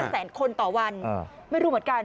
แสนคนต่อวันไม่รู้เหมือนกัน